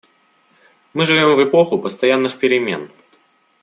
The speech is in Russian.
Мы живем в эпоху постоянных перемен.